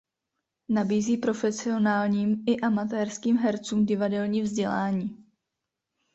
Nabízí profesionálním i amatérským hercům divadelní vzdělání.